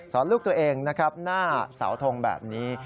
ลูกตัวเองนะครับหน้าเสาทงแบบนี้